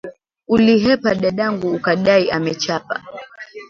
Ulihepa dadangu ukadai amechapa.